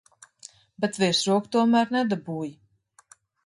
Bet virsroku tomēr nedabūji.